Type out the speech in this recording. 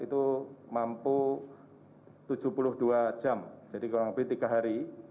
itu mampu tujuh puluh dua jam jadi kurang lebih tiga hari